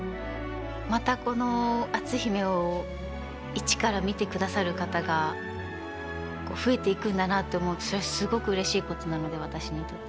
またこの「篤姫」を一から見てくださる方が増えていくんだなって思うとそれはすごくうれしいことなので私にとって。